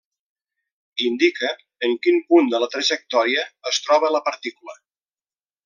Indica en quin punt de la trajectòria es troba la partícula.